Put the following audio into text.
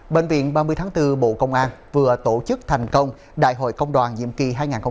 bệnh viện ba mươi tháng bốn bộ công an vừa tổ chức thành công đại hội công đoàn nhiệm kỳ hai nghìn hai mươi hai nghìn hai mươi bốn